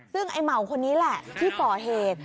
ซึ่งไอ้เหมาคนนี้แหละที่ก่อเหตุ